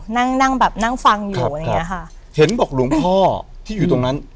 นั่งนั่งแบบนั่งฟังอยู่อะไรอย่างเงี้ยค่ะเห็นบอกหลวงพ่อที่อยู่ตรงนั้น